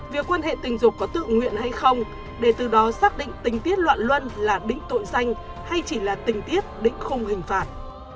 việc quan hệ tình ruột có tự nguyện hay không để từ đó xác định tình tiết loạn luân là đỉnh tội danh hay chỉ là tình tiết đỉnh không hình phạt